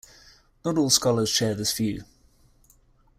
Not all scholars share this view.